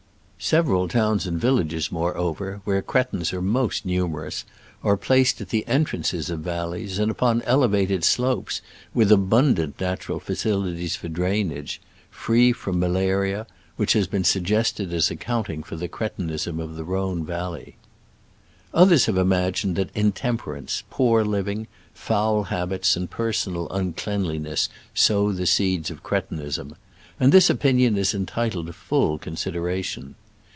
Several towns and villages, moreover, where cretins are most numerous, are placed at the entrances of valleys and upon elevated slopes, with abundant Digitized by Google SCRAMBLES AMONGST THE ALPS IN i86o '69. 131 natural facilities for drainage — free from malaria, which has been suggested as accounting for the cretinism of the Rhone valley. Others have imagined that intemper ance, poor living, foul habits and per sonal uncleanliness sow the seeds of cretinism ; and this opinion is entitled to full consideration.